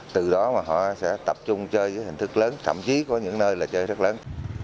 từ đó mà họ sẽ tập trung chơi với hình thức lớn thậm chí có những nơi là chơi rất lớn